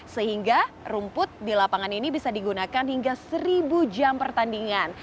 sehingga rumput di lapangan ini bisa digunakan hingga seribu jam pertandingan